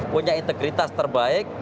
punya integritas terbaik